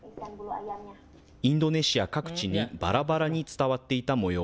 インドネシア各地にばらばらに伝わっていた模様